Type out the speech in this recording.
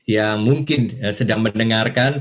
yang mungkin sedang mendengarkan